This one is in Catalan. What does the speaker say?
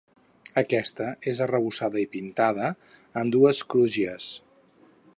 Aquesta és arrebossada i pintada, amb dues crugies.